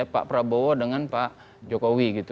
pak prabowo dengan pak jokowi gitu